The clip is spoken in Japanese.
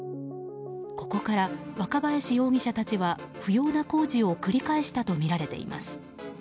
ここから、若林容疑者たちは不要な工事を繰り返したとみられています。